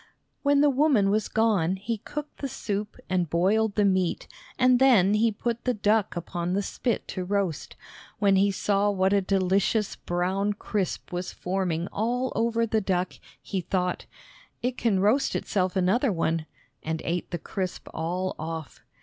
When the woman was gone he cooked the soup and boiled the meat, and then he put the duck upon the spit to roast. When he saw what a delicious brown crisp was forming all over the duck, he thought, "It can roast itself another one," and ate the crisp all off.